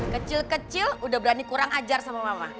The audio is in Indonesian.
kecil kecil udah berani kurang ajar sama mama